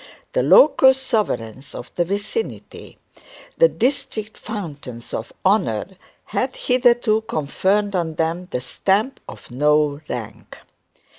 The local sovereigns of the vicinity, the district fountains of honour, had hitherto conferred on them the stamp of no rank.